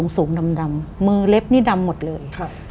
สูงดำมือเล็บนี่ดำหมดเลย